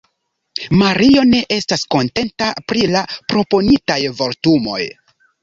Mario ne estas kontenta pri la proponitaj vortumoj.